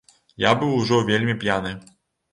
Я быў ужо вельмі п'яны.